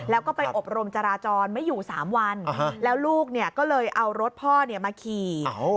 แล้วก็ไปอบรมจราจรไม่อยู่๓วันแล้วลูกก็เลยเอารถพ่อมาขี่